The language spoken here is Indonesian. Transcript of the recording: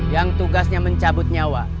yang tugasnya mencabut nyawa